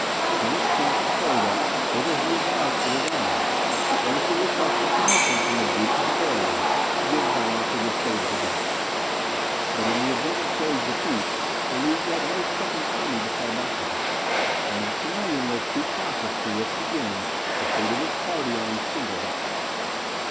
From his camp at Fulda, whither he had marched with his army, he earnestly requested permission from the Duke of Bavaria to give battle to Gustavus Adolphus. But, in the event of Tilly's defeat, the League had no second army to fall back upon, and Maximilian was too cautious to risk again the fate of his party on a single battle.